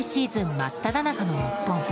真っただ中の日本。